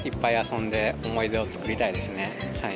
遊んで、思い出を作りたいですね。